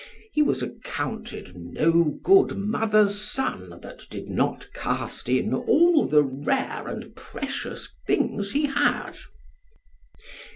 He was accounted no good mother's son that did not cast in all the rare and precious things he had.